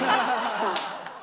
そう。